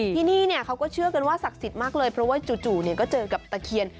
ที่นี่เขาก็เชื่อกันว่าศักดิ์สิทธิ์มากเลยเพราะว่าจู่ก็เจอกับตะเคียน